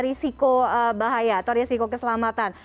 risiko bahaya atau risiko keselamatan